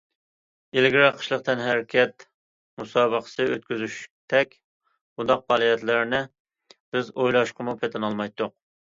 ئىلگىرى، قىشلىق تەنھەرىكەت مۇسابىقىسى ئۆتكۈزۈشتەك بۇنداق پائالىيەتلەرنى بىز ئويلاشقىمۇ پېتىنالمايتتۇق.